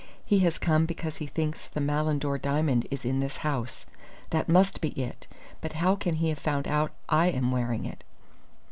He has come because he thinks the Malindore diamond is in this house. That must be it! But how can he have found out that I am wearing it?"